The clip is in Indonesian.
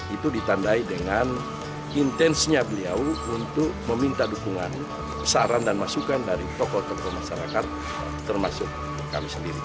itu ditandai dengan intensnya beliau untuk meminta dukungan saran dan masukan dari tokoh tokoh masyarakat termasuk kami sendiri